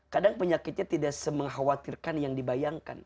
kadang penyakitnya tidak se mengkhawatirkan yang dibayangkan